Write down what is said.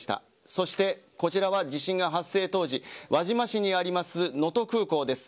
そして、こちらは地震発生当時輪島市にあります能登空港です。